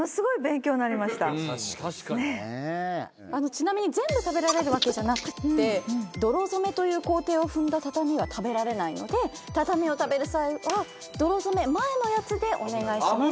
ちなみに全部食べられるわけじゃなくて泥染めという工程を踏んだ畳は食べられないので畳を食べる際は泥染め前のやつでお願いします。